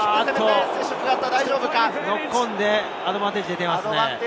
ノックオンでアドバンテージが出ていますね。